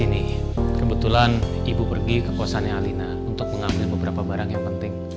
ini kebetulan ibu pergi ke kosannya alina untuk mengambil beberapa barang yang penting